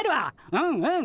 うんうん。